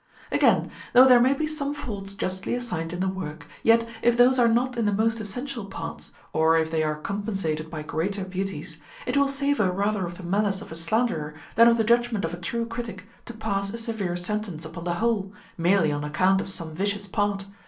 Again, though there may be some faults justly assigned in the work, yet, if those are not in the most essential parts, or if they are compensated by greater beauties, it will savour rather of the malice of a slanderer than of the judgment of a true critic to pass a severe sentence upon the whole, merely on account of some vicious part.